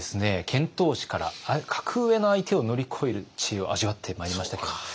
遣唐使から格上の相手を乗り越える知恵を味わってまいりましたけれども。